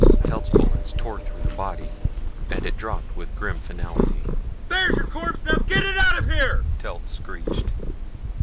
Telt's bullets tore through the body and it dropped with grim finality. "There's your corpse now get it out of here!" Telt screeched.